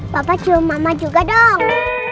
papa cium mama juga dong